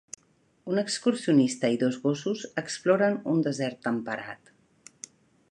Un excursionista i dos gossos exploren un desert temperat.